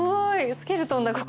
スケルトンだここ。